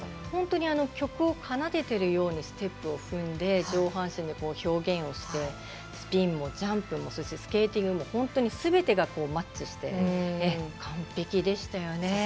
本当に曲を奏でているようにステップを踏んで上半身で表現をしてスピンもジャンプもそしてスケーティングも本当にすべてがマッチして完璧でしたよね。